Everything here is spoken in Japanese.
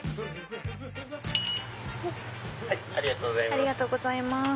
ありがとうございます。